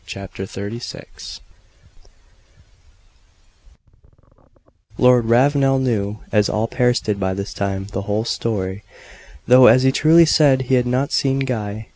CHAPTER XXXVI Lord Ravenel knew as all Paris did by this time the whole story. Though, as he truly said, he had not seen Guy.